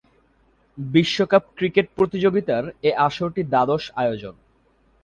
বিশ্বকাপ ক্রিকেট প্রতিযোগিতার এ আসরটি দ্বাদশ আয়োজন।